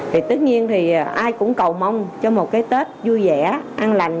thì tất nhiên thì ai cũng cầu mong cho một cái tết vui vẻ an lành